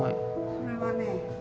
それはね